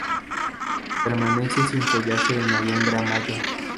Permanece sin follaje de noviembre a mayo.